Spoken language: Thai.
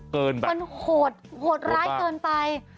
เกินแบบมันโหดโหดร้ายเกินไป